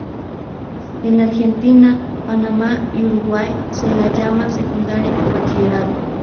En Argentina, Panamá y Uruguay se la llama secundaria o bachillerato.